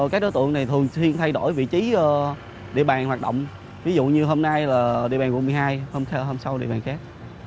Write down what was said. các đối tượng này thường xuyên thay đổi vị trí địa bàn hoạt động ví dụ như hôm nay là địa bàn quận một mươi hai hôm sau địa bàn khác